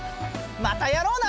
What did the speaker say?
またやろうな！